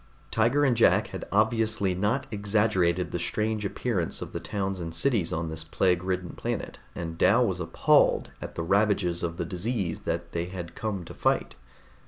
Tiger and Jack had obviously not exaggerated the strange appearance of the towns and cities on this plague ridden planet, and Dal was appalled at the ravages of the disease that they had come to fight.